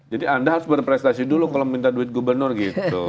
jadi anda harus berprestasi dulu kalau minta duit gubernur gitu